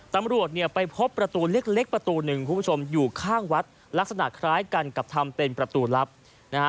ตำรวจเนี่ยไปพบประตูเล็กประตูหนึ่งคุณผู้ชมอยู่ข้างวัดลักษณะคล้ายกันกับทำเป็นประตูลับนะฮะ